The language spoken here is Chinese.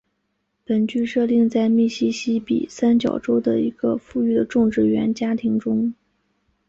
本剧设定在密西西比三角洲的一个富裕的种植园家庭中。